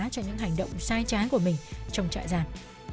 cho những hành động sai trái của mình trong trại giam